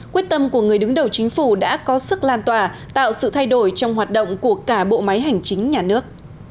quyết tâm của người đứng đầu chính phủ đã có sức lan tỏa tạo sự thay đổi trong hoạt động của cả bộ máy hành chính nhà nước